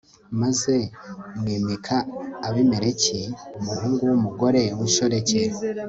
maze mwimika abimeleki, umuhungu w'umugore w'inshoreke